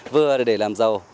vừa để làm giàu